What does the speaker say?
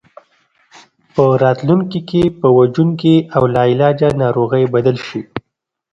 په راتلونکي کې په وژونکي او لاعلاجه ناروغۍ بدل شي.